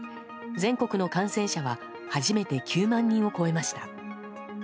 全国の感染者は初めて９万人を超えました。